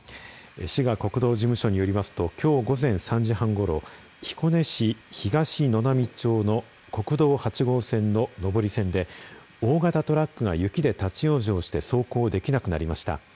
滋賀国道事務所によりますときょう午前３時半ごろ彦根市東沼波町の国道８号線の上り線で大型トラックが雪で立往生して走行できなくなりました。